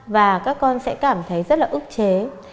và các con sẽ cảm thấy rất là ức chế